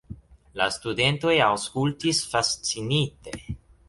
La studentoj aŭskultis fascinite.